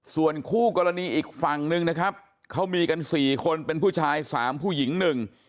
ส่วนคู่กรณีอีกฝั่งหนึ่งนะครับเขามีกันสี่คนเป็นผู้ชายสามผู้หญิงหนึ่ง